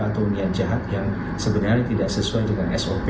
atau unian jahat yang sebenarnya tidak sesuai dengan sop